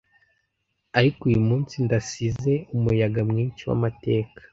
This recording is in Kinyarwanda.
ariko uyumunsi ndasize umuyaga mwinshi wamateka